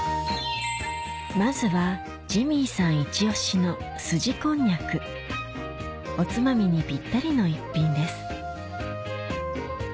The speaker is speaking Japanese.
まずはジミーさんイチ押しのおつまみにピッタリの一品です